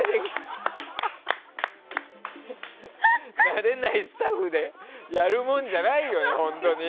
慣れないスタッフでやるもんじゃないよ、本当に。